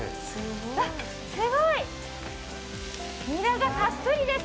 すごい、ニラがたっぷりです。